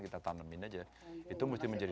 kita tanamin aja itu mesti menjadi